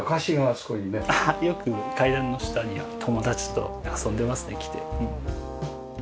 よく階段の下に友達と遊んでますね来て。